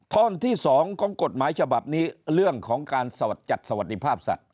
ท่อนที่๒ของกฎหมายฉบับนี้เรื่องของการสวัสจัดสวัสดิภาพสัตว